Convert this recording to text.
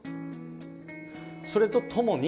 それとともに。